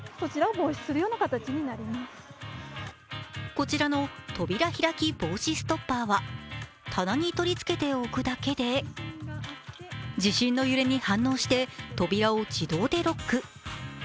こちらの扉ひらき防止ストッパーは、棚に取り付けておくだけで地震の揺れに反応して、扉を自動でロック。